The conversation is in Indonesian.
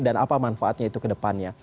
dan apa manfaatnya itu ke depannya